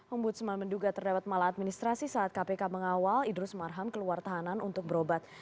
ombudsman menduga terdapat malah administrasi saat kpk mengawal idrus marham keluar tahanan untuk berobat